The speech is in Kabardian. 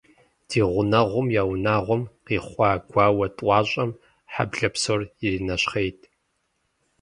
Ди гъунэгъум я унагъуэм къихъуа гуауэ тӏуащӏэм хьэблэ псор иринэщхъейт.